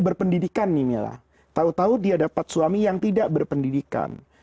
berpendidikan nih mila tahu tahu dia dapat suami yang tidak berpendidikan